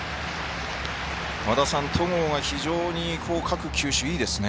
和田さん戸郷が非常に各球種がいいですね。